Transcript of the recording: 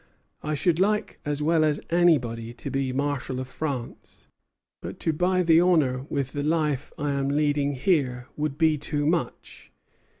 "I should like as well as anybody to be Marshal of France; but to buy the honor with the life I am leading here would be too much."